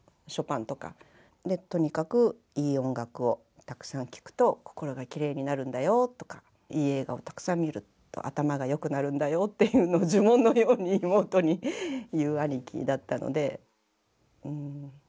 とにかくいい音楽をたくさん聴くと心がきれいになるんだよとかいい映画をたくさん見ると頭がよくなるんだよっていうの呪文のように妹に言う兄貴だったので。